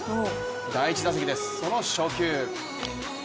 第１打席です、その初球。